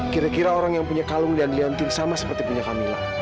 kira kira orang yang punya kalung dan lianting sama seperti punya kamila